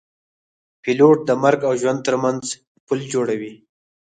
پیلوټ د مرګ او ژوند ترمنځ پل جوړوي.